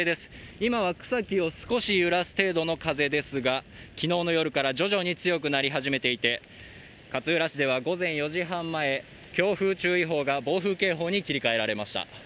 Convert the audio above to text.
今は草木を少し揺らす程度の風ですが、昨日の夜から徐々に強くなり始めていて、勝浦市では午前４時半前強風注意報が暴風警報に切り替えられました。